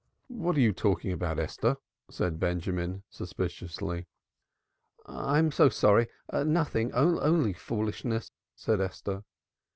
"What are you talking about, Esther?" said Benjamin suspiciously. "I'm so sorry, nothing, only foolishness," said Esther.